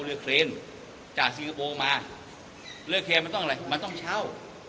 เลือกเครียมมันต้องอะไรมันต้องเช่า